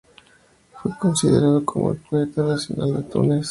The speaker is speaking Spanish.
Fue considerado como el poeta nacional de Túnez.